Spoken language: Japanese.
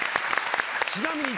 ちなみに。